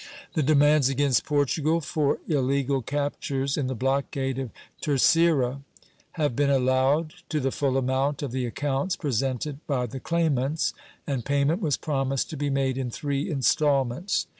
The demands against Portugal for illegal captures in the blockade of Terceira have been allowed to the full amount of the accounts presented by the claimants, and payment was promised to be made in three installments.